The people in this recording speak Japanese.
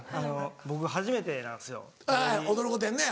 僕初めてなんですよテレビ。